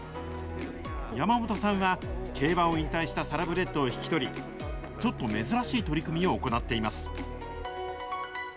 山本さんは、競馬を引退したサラブレッドを引き取り、ちょっと珍しい取り組みを行っています。